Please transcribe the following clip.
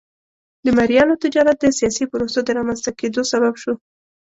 د مریانو تجارت د سیاسي پروسو د رامنځته کېدو سبب شو.